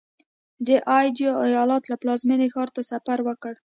د ایدو ایالت له پلازمېنې ښار ته سفر وکړ.